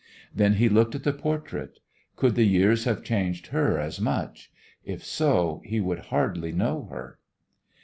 Then he looked at the portrait. Could the years have changed her as much? If so, he would hardly know her!